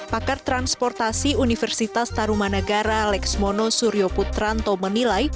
pakar transportasi universitas tarumanegara lex mono suryo putranto menilai